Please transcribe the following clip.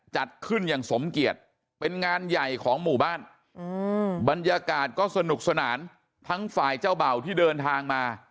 จัดขึ้นอย่างสมเกียจเป็นงานใหญ่ของหมู่บ้านบรรยากาศก็สนุกสนานทั้งฝ่ายเจ้าเบ่าที่เดินทางมา